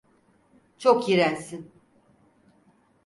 Çok iğrençsin.